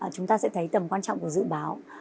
chúng ta sẽ thấy tầm quan trọng của dự báo